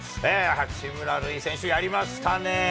八村塁選手、やりましたね。